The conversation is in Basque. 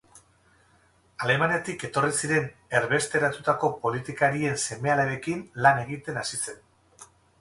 Alemaniatik etorri ziren erbesteratutako politikarien seme-alabekin lan egiten hasi zen.